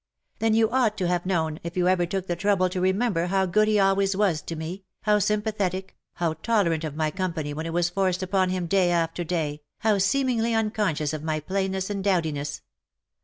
"Then you ought to have known, if you ever took the trouble to remember how good he always was to me, how sympathetic, how tolerant of my com pany when it was forced upon him day after day, how seemingly unconscious of my plainness and dowdiness.